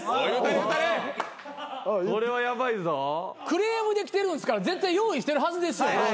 クレームで来てるんすから絶対用意してるはずですよ。